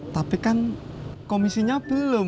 tapi kan komisinya belum